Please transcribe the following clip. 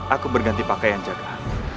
aku berganti pakaian cakak